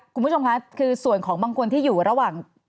คุณผู้ชมค่ะคือส่วนของบางคนที่อยู่ระหว่าง